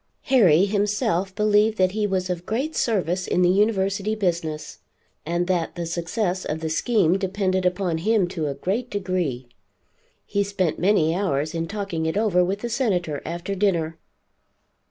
Harry himself believed that he was of great service in the University business, and that the success of the scheme depended upon him to a great degree. He spent many hours in talking it over with the Senator after dinner.